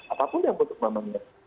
apapun yang untuk mengamalkan